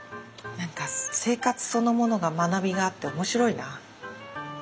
何か生活そのものが学びがあって面白いな。